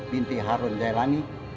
binti harun jalani